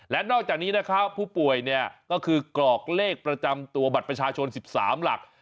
และนอกจากนี้นะครับผู้ป่วยเนี่ยก็คือกรอกเลขประจำตัวบัตรประชาชน๑๓หลัก